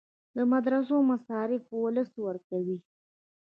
د مدرسو مصارف ولس ورکوي